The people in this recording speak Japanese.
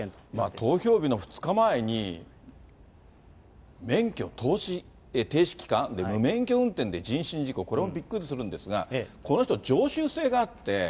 投票日の２日前に免許停止期間で、無免許運転で人身事故、これもびっくりするんですが、この人、常習性があって。